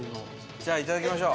じゃあいただきましょう！